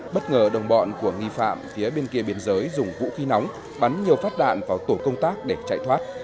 bất ngờ đồng bọn của nghi phạm phía bên kia biên giới dùng vũ khí nóng bắn nhiều phát đạn vào tổ công tác để chạy thoát